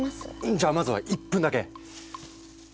じゃあまずは１分だけ！